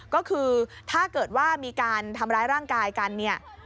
ก็คือถ้าเกิดว่ามีการทำร้ายร่างกายกันเนี่ย